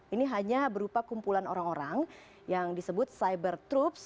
ini hanya berupa kumpulan orang orang yang disebut cyber troops